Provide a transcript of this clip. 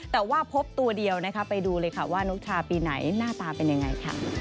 แต่ว่าพบตัวเดียวนะคะไปดูเลยค่ะว่านกชาปีไหนหน้าตาเป็นยังไงค่ะ